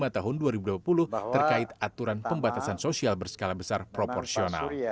dua puluh tahun dua ribu dua puluh terkait aturan pembatasan sosial berskala besar proporsional